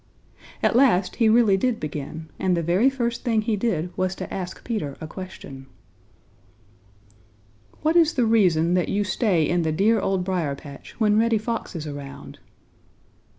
At last he really did begin, and the very first thing he did was to ask Peter a question. "What is the reason that you stay in the dear Old Briar patch when Reddy Fox is around?"